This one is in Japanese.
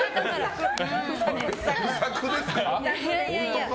不作ですか？